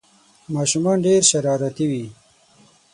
ماشومان ډېر شرارتي وي